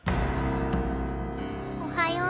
おはよう。